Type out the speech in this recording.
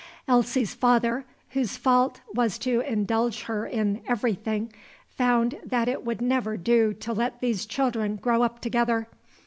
Elsie's father, whose fault was to indulge her in everything, found that it would never do to let these children grow up together.